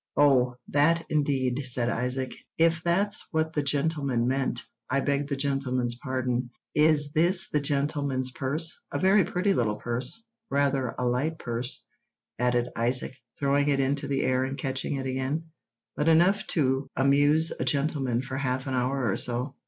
"Oh! That, indeed," said Isaac; "if that's what the gentleman meant, I beg the gentleman's pardon. Is this the gentleman's purse? A very pretty little purse. Rather a light purse," added Isaac, throwing it into the air and catching it again, "but enough to amuse a gentleman for half an hour or so."